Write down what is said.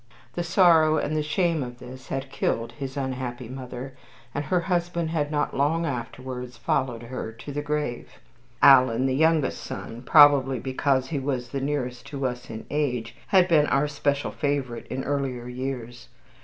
The sorrow and the shame of this had killed his unhappy mother, and her husband had not long afterwards followed her to the grave. Alan, the youngest son, probably because he was the nearest to us in age, had been our special favorite in earlier years.